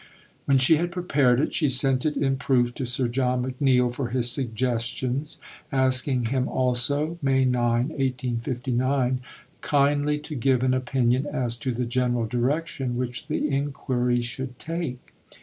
When she had prepared it, she sent it in proof to Sir John McNeill for his suggestions, asking him also (May 9, 1859) "kindly to give an opinion as to the general direction which the Enquiry should take."